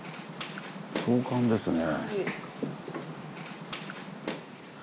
壮観ですね。